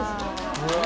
うわ。